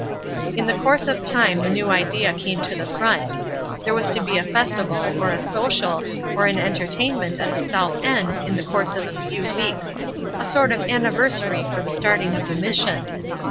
In the course of time the new idea came to the front. There was to be a festival, or a social, or an entertainment at the South End in the course of a few weeks, a sort of anniversary of the starting of the Mission.